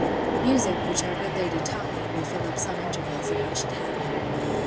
Music, which our good lady taught me, will fill up some intervals, if I should have any.